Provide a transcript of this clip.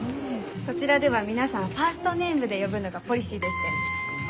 こちらでは皆さんをファーストネームで呼ぶのがポリシーでして。